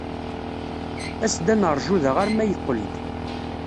As-d ad neṛju da arma yeqqel-d.